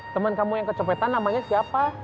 teman kamu yang kecopetan namanya siapa